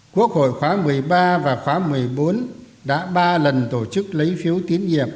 quốc hội khóa một mươi ba và khóa một mươi bốn đã ba lần tổ chức lấy phiếu tín nhiệm